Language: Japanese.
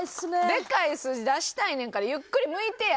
でかい数字出したいねんからゆっくりむいてや。